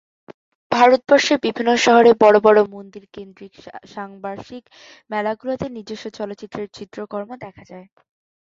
ভারতবর্ষের বিভিন্ন শহরে বড় বড় মন্দির কেন্দ্রিক সাংবার্ষিক মেলাগুলিতে নিজস্ব চরিত্রের চিত্রকর্ম দেখা যায়।